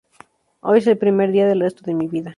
Hoy es el primer día del resto de mi vida